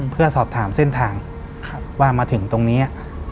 เพื่อสอบถามเส้นทางว่ามาถึงตรงนี้